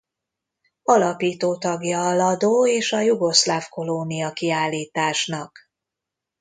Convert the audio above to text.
Alapító tagja a Lado és a Jugoszláv kolónia kiállításnak.